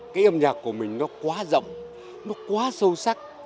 cái âm nhạc của mình nó quá rộng nó quá sâu sắc